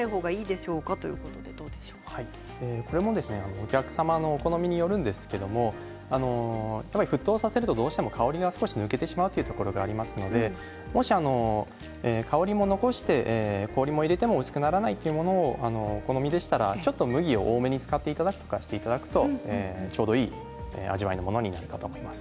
お客様のお好みによりますが沸騰させるとどうしても香りが少し抜けてしまうところがありますのでもし香りも残して氷を入れても薄くならないというものをお好みでしたらちょっと麦を多めに使っていただくとかしていただくとちょうどいい味わいのものになると思います。